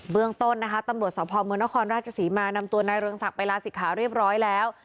เบื้องต้นนะคะตำลวดสวพพรหมู่นครราชศรีมานำตัวนายเรืองศักดิ์ไปลาสิทธิ์ขาเรียบร้อยแล้ว